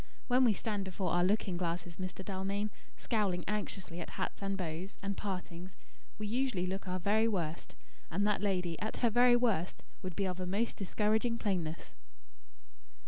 When we stand before our looking glasses, Mr. Dalmain, scowling anxiously at hats and bows, and partings, we usually look our very worst; and that lady, at her very worst, would be of a most discouraging plainness."